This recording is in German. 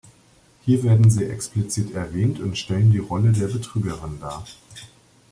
Hier werden sie explizit erwähnt und stellen die Rolle der Betrügerin dar.